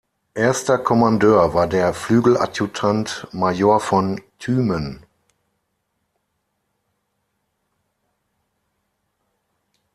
Erster Kommandeur war der Flügeladjutant Major von Thümen.